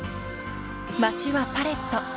［街はパレット］